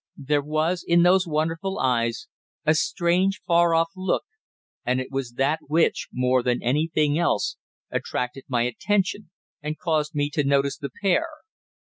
There was, in those wonderful eyes, a strange, far off look, and it was that which, more than anything else, attracted my attention and caused me to notice the pair.